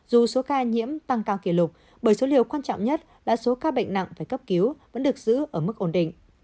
dù số ca nhiễm tăng cao kỷ lục bởi số liệu quan trọng nhất là số ca bệnh nặng phải cấp cứu vẫn được giữ ở mức ổn định